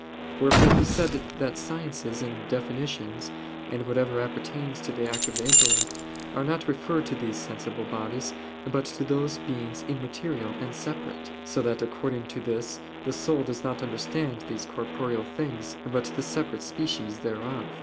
Wherefore he said that sciences and definitions, and whatever appertains to the act of the intellect, are not referred to these sensible bodies, but to those beings immaterial and separate: so that according to this the soul does not understand these corporeal things, but the separate species thereof.